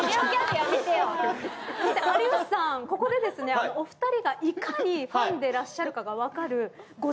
ここでですねお二人がいかにファンでらっしゃるかが分かる。